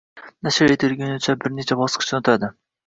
nashr etilgunicha bir necha bosqichdan o‘tadi.